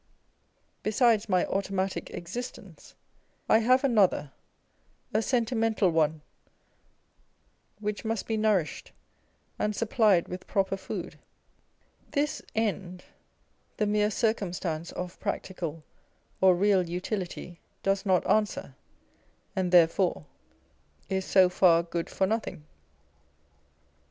Besides my automatic existence, I have another, a sentimental one, which must be nourished and supplied with proper food. This end the mere circumstance of Tltv Xew School of Reform. 209 .practical or real Utility docs not answer, and therefore is «o far good for nothing.